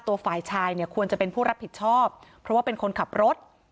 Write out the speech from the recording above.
ฝ่ายชายเนี่ยควรจะเป็นผู้รับผิดชอบเพราะว่าเป็นคนขับรถ